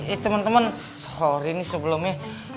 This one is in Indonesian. eh teman teman horry nih sebelumnya